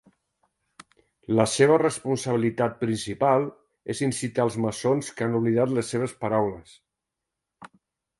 La seva responsabilitat principal és incitar els maçons que han oblidat les seves paraules.